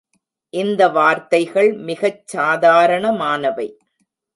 இந்த வார்த்தைகள் மிகச் சாதாரணமானவை.